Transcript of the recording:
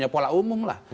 ya pola umum lah